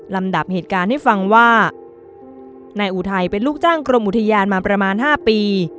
ลำดับเหตุการณ์ให้ฟังว่านายอุทัยเป็นลูกจ้างกรมอุทยานมาประมาณ๕ปี